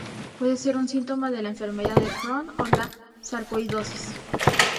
Puede ser un síntoma de la enfermedad de Crohn o la sarcoidosis.